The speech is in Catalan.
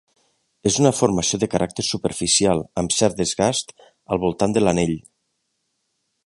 És una formació de cràter superficial amb cert desgast al voltant de l'anell.